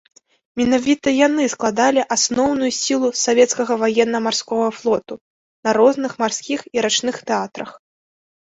Менавіта яны складалі асноўную сілу савецкага ваенна-марскога флоту на розных марскіх і рачных тэатрах.